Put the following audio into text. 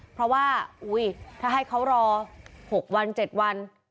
เพราะว่าถ้าให้เขารอ๖วัน๗วัน